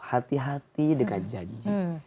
hati hati dengan janji